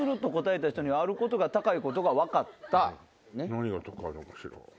何が高いのかしら？